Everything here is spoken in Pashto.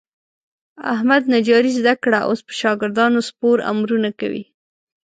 احمد نجاري زده کړه. اوس په شاګردانو سپور امرونه کوي.